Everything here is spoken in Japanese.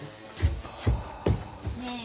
ねえ。